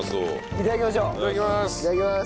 いただきます！